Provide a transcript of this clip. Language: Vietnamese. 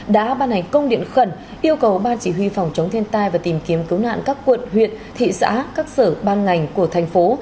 đã ban hành công điện khẩn yêu cầu ban chỉ huy phòng chống thiên tai và tìm kiếm cứu nạn các quận huyện thị xã các sở ban ngành của thành phố